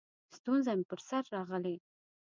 ستونزه مې په سر راغلې؛